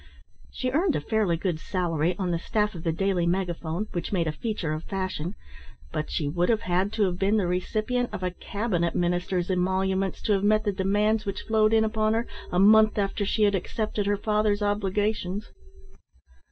She earned a fairly good salary on the staff of the Daily Megaphone, which made a feature of fashion, but she would have had to have been the recipient of a cabinet minister's emoluments to have met the demands which flowed in upon her a month after she had accepted her father's obligations.